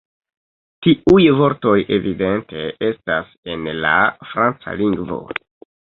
Tiuj vortoj evidente estas en la franca lingvo.